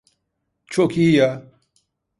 Çok iyi ya!